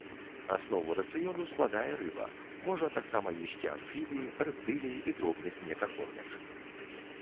Аснову рацыёну складае рыба, можа таксама есці амфібій, рэптылій і дробных млекакормячых.